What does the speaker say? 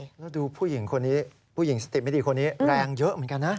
แล้วดูผู้หญิงสติดไม่ดีคนนี้แรงเยอะเหมือนกันนะ